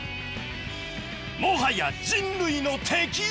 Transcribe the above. もはや人類の敵！